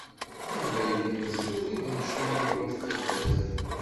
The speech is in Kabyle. Baba yella izeṭṭ tidencin i wat taddart.